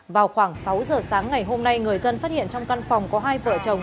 vào khoảng sáu giờ sáng ngày hôm nay người dân phát hiện trong căn phòng có hai vợ chồng